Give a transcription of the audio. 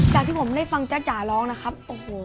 จากที่ผมได้ฟังจ้าจ๋าร้องนะครับโอ้โห